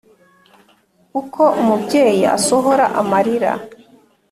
uko umubyeyi asohora amalira